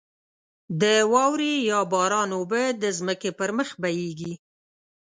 د واورې یا باران اوبه د ځمکې پر مخ بهېږې.